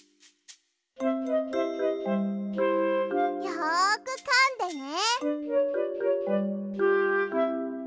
よくかんでね。